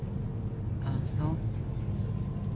あっそう。